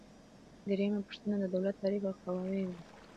دریمه پوښتنه د دولت تعریف او قواوې دي.